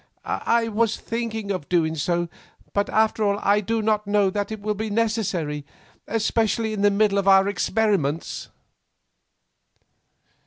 "I was thinking of doing so; but after all I do not know that it will be necessary; especially in the middle of our experiments."